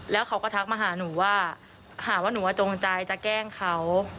แล้วเขาก็ทักมาหาหนูว่าหาว่าหนูว่าจงใจจะแกล้งเขา